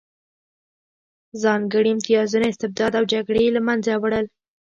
ځانګړي امتیازونه، استبداد او جګړې یې له منځه نه وړل